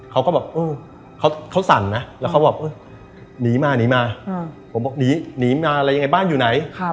เขาก็แบบเออเขาสั่นนะแล้วเขาบอกหนีมาหนีมาผมบอกหนีมาอะไรยังไงบ้านอยู่ไหน